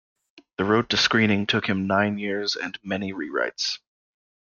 The road to screening took him nine years and many rewrites.